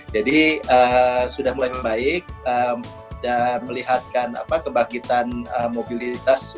sudah mulai membaik dan melihatkan kebangkitan mobilitas